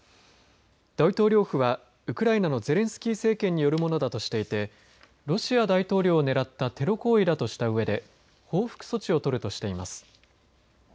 大統領府は、ウクライナのゼレンスキー政権によるものだとしていてロシア大統領を狙ったテロ行為だとしたうえで報復措置を取るとしています。